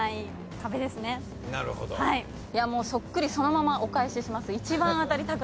いやもうそっくりそのままお返しします。